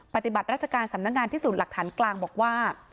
ปฏิบัติราชการสำนักงานพิสูจน์หลักฐานกลางบอกว่า